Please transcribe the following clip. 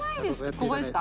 ここですか？